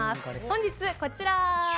本日、こちら。